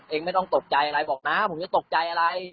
ไม่ต้องตกใจอะไรบอกน้าผมจะตกใจอะไร